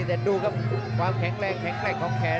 แต่ดูครับความแข็งแรงแข็งแกร่งของแขน